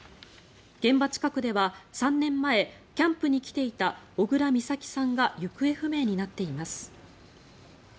現場近くでは３年前キャンプに来ていた小倉美咲さんが行方不明になっています。